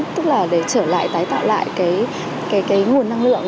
tức là để trở lại tái tạo lại cái nguồn năng lượng